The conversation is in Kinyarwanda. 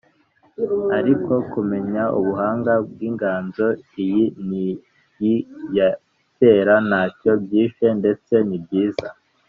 ariko kumenya ubuhanga bw’inganzo iyi n’iyi ya kera nta cyo byishe, ndetse ni byiza.